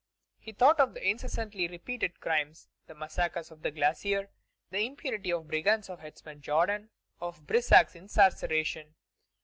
He thought of the incessantly repeated crimes, the massacres of the Glacière, the impunity of the brigands of "headsman" Jourdan, of Brissac's incarceration.